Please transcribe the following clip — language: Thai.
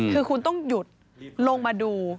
คือคุณต้องหยุดลงมาดู